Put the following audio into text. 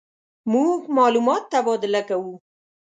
مونږ معلومات تبادله کوو.